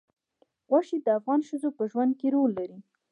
غوښې د افغان ښځو په ژوند کې رول لري.